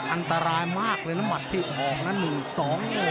อันตรายมากเลยนะหมัดที่ทองนั้น๑๒